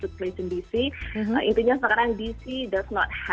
intinya sekarang dc tidak memiliki fase yang sering kita kenal